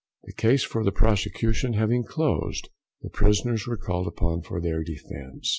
The case for the prosecution having closed, the prisoners were called upon for their defence.